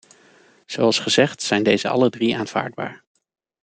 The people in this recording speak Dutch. Zoals gezegd zijn deze alle drie aanvaardbaar.